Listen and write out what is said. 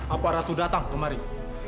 apa ratu datang kemarin